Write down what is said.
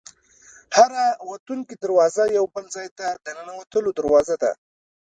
هره وتونکې دروازه یو بل ځای ته د ننوتلو دروازه ده.